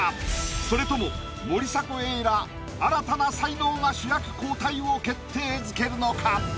それとも森迫永依ら新たな才能が主役交代を決定づけるのか？